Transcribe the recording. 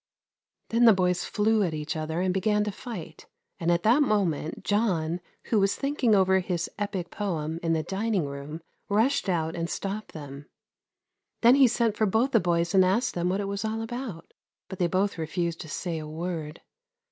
Then the boys flew at each other and began to fight; and at that moment John, who was thinking over his epick poem in the dining room, rushed out and stopped them. Then he sent for both the boys and asked them what it was all about, but they both refused to say a word.